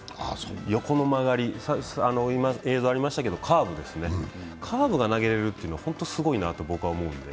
横の曲がり、今、映像流れましたけど、カーブが投げれるというのは本当すごいなと思うので。